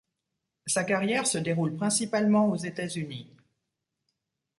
Sa carrière se déroule principalement aux États-Unis.